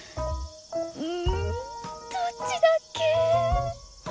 うどっちだっけ？